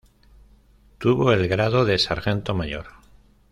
Tuvo el grado de Sargento Mayor.